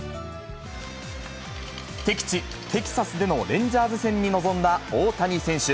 敵地、テキサスでのレンジャーズ戦に臨んだ大谷選手。